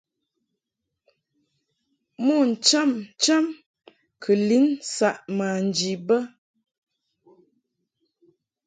Mo ncham cham kɨ lin saʼ manji bə.